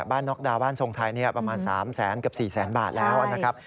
น็อกดาวน์บ้านทรงไทยประมาณ๓แสนกับ๔แสนบาทแล้วนะครับ